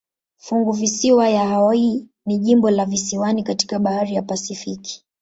Funguvisiwa ya Hawaii ni jimbo la visiwani katika bahari ya Pasifiki.